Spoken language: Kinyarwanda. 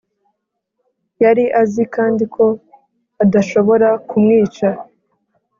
yari azi kandi ko adashobora kumwica.